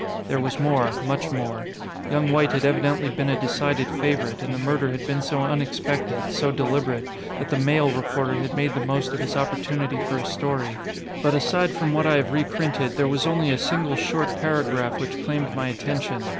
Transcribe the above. There was more, much more. Young White had evidently been a decided favorite, and the murder had been so unexpected, so deliberate, that the Mail reporter had made the most of his opportunity for a story. But aside from what I have reprinted, there was only a single short paragraph which claimed my attention.